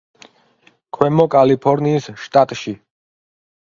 ქვემო კალიფორნიის შტატში.